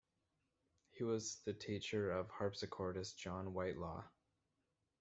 He was the teacher of harpsichordist John Whitelaw.